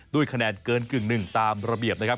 ด้วยคะแนนเกินกึ่งหนึ่งตามระเบียบนะครับ